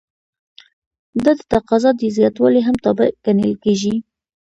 دا د تقاضا د زیاتوالي هم تابع ګڼل کیږي.